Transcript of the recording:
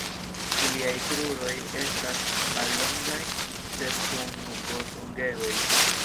Iliaj kruroj estas mallongaj, sed kun fos-ungegoj.